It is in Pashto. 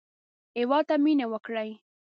هېواد ته مېنه وکړئ